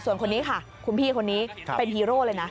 ส่วนคนนี้ค่ะคุณพี่คนนี้เป็นฮีโร่เลยนะ